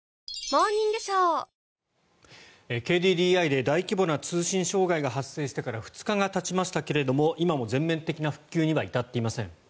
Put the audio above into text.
ＫＤＤＩで大規模な通信障害が発生してから２日がたちましたけども今も全面的な復旧には至っていません。